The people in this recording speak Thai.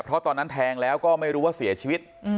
เพราะตอนนั้นแทงแล้วก็ไม่รู้ว่าเสียชีวิต